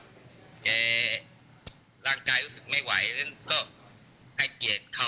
อาจจะเป็นเพราะหายใจไม่ไหวแล้วน่าจะเป็นการเข้าใจผิดมากกว่า